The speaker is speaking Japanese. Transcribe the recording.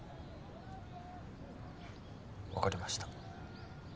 わかりました。